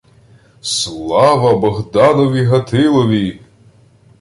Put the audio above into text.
— Слава Богданові Гатилові!